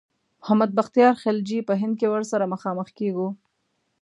محمد بختیار خلجي په هند کې ورسره مخامخ کیږو.